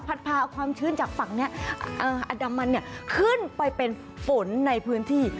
ผัดพาความชื่นจากฝั่งเนี้ยเอ่ออันดับมันเนี้ยขึ้นไปเป็นฝนในพื้นที่